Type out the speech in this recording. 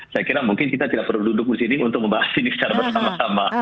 saya kira mungkin kita tidak perlu duduk di sini untuk membahas ini secara bersama sama